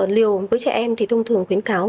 liều với trẻ em thì thông thường khuyến kháo